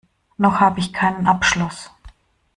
Noch habe ich keinen Abschluss.